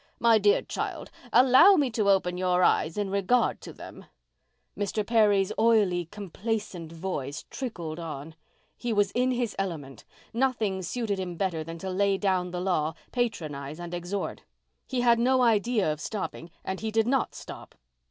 My dear child, allow me to open your eyes in regard to them." Mr. Perry's oily, complacent voice trickled on. He was in his element. Nothing suited him better than to lay down the law, patronize and exhort. He had no idea of stopping, and he did not stop.